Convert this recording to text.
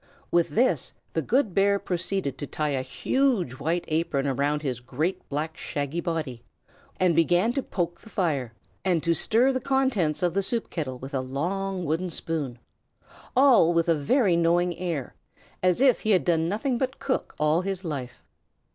With this, the good bear proceeded to tie a huge white apron round his great black, shaggy body, and began to poke the fire, and to stir the contents of the soup kettle with a long wooden spoon, all with a very knowing air, as if he had done nothing but cook all his life.